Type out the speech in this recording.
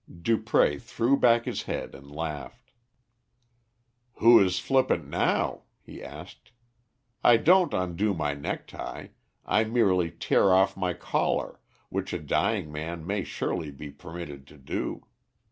Dupré threw back his head and laughed. "Who is flippant now?" he asked. "I don't undo my necktie, I merely tear off my collar, which a dying man may surely be permitted to do.